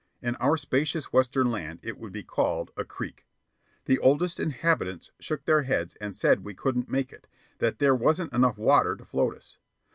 In our spacious western land it would be called a "creek." The oldest inhabitants shook their heads and said we couldn't make it, that there wasn't enough water to float us.